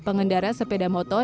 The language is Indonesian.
pengendara sepeda motor